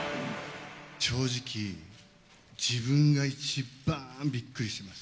正直、自分が一番びっくりしてます。